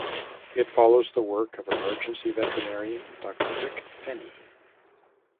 It follows the work of emergency veterinarian Dr Rick Fenny.